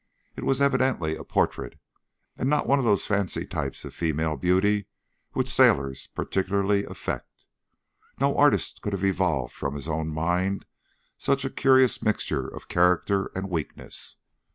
It was evidently a portrait, and not one of those fancy types of female beauty which sailors particularly affect. No artist could have evolved from his own mind such a curious mixture of character and weakness.